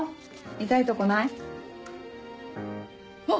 痛いとこない？あっ！